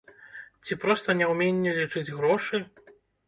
Ці проста няўменне лічыць грошы?